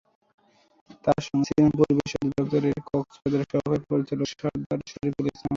তাঁর সঙ্গে ছিলেন পরিবেশ অধিদপ্তর কক্সবাজারের সহকারী পরিচালক সরদার শরিফুল ইসলাম।